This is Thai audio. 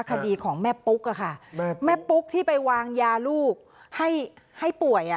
คดีของแม่ปุ๊กอะค่ะแม่ปุ๊กที่ไปวางยาลูกให้ป่วย